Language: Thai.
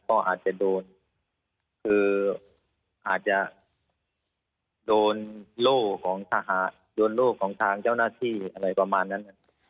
ก็อาจจะโดนโล่ของทหารโล่ของทางเจ้าหน้าที่อะไรประมาณนั้น